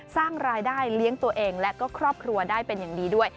สร้างรายได้เลี้ยงตัวเองและก็ครอบครัวได้เป็นอย่างดีด้วย